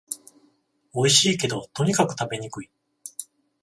おいしいけど、とにかく食べにくい